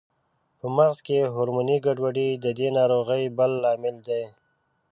په مغز کې هورموني ګډوډۍ د دې ناروغۍ بل لامل دی.